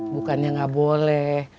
bukannya gak boleh